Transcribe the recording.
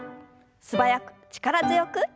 素早く力強く。